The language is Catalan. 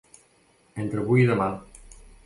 Entre avui i demà.